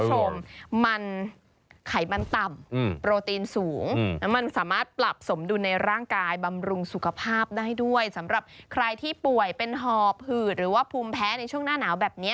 รสชาติดีเหมาะมากกินกับข้าวต้มข้าวสวยร้อนข้าวต้มรสชาติ